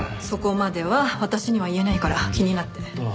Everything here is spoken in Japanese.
そこまでは私には言えないから気になって。